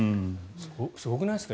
すごくないですか？